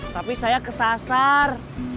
tapi saya ke sasar